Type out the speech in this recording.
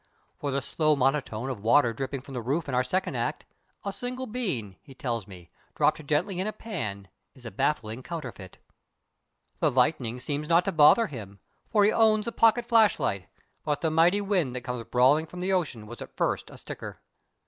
For the slow monotone of water dripping from the roof in our second act, a single bean, he tells me, dropped gently in a pan is a baffling counterfeit. The lightning seems not to bother him, for he owns a pocket flashlight; but the mighty wind that comes brawling from the ocean was at first a sticker.